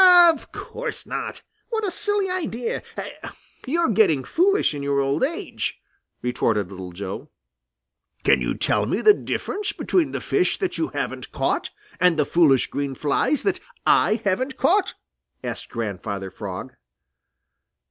"Of course not! What a silly idea! You're getting foolish in your old age," retorted Little Joe. "Can you tell me the difference between the fish that you haven't caught and the foolish green flies that I haven't caught?" asked Grandfather Frog.